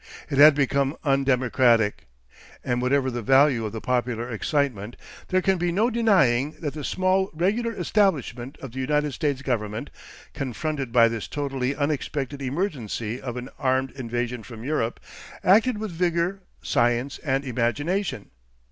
It had become undemocratic. And whatever the value of the popular excitement, there can be no denying that the small regular establishment of the United States Government, confronted by this totally unexpected emergency of an armed invasion from Europe, acted with vigour, science, and imagination.